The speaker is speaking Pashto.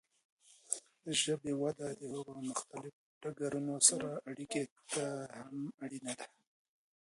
د ژبې وده د هغه د مختلفو ډګرونو سره اړیکې ته هم اړینه ده.